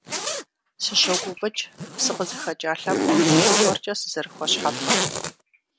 Сыщогуфӏыкӏ сыкъызыхэкӏа лъэпкъым зыгуэркӏэ сызэрыхуэщхьэпам.